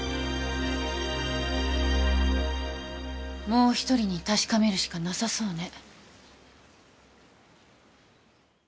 もう一人に確かめるしかなさそうね。